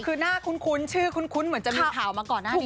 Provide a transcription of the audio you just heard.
คือหน้าคุ้นชื่อคุ้นเหมือนจะมีข่าวมาก่อนหน้านี้